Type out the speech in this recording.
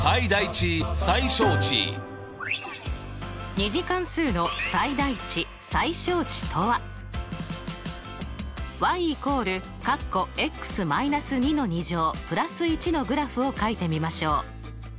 ２次関数の最大値・最小値とは？のグラフをかいてみましょう。